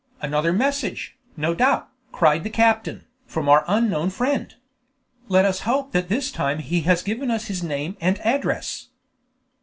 "Another message, no doubt," cried the captain, "from our unknown friend. Let us hope that this time he has given us his name and address."